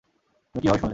তুমি কিভাবে শুনলে?